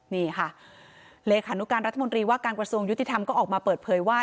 นี่ค่ะเลขานุการรัฐมนตรีว่าการกระทรวงยุติธรรมก็ออกมาเปิดเผยว่า